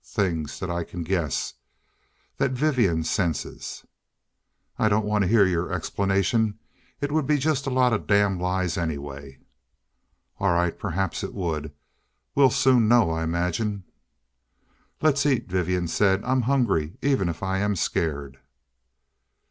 Things that I can guess that Vivian senses " "I don't want to hear your explanation. It would be just a lot of damn lies anyway." "All right. Perhaps it would. We'll soon know, I imagine." "Let's eat," Vivian said. "I'm hungry, even if I am scared."